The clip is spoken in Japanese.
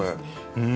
うん。